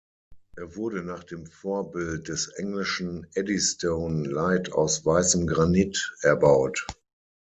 Er wurde nach dem Vorbild des englischen Eddystone Light aus weißem Granit erbaut.